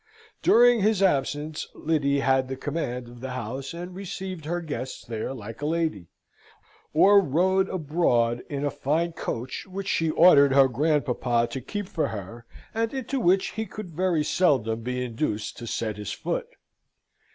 During his absence Lyddy had the command of the house, and received her guests there like a lady, or rode abroad in a fine coach, which she ordered her grandpapa to keep for her, and into which he could very seldom be induced to set his foot.